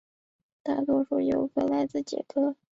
大多数游客来自捷克。